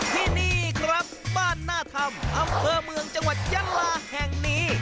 ที่นี่ครับบ้านหน้าธรรมอำเภอเมืองจังหวัดยะลาแห่งนี้